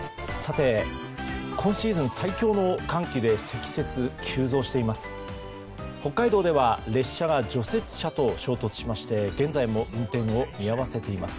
今シーズン最強の寒気で積雪が急増しています。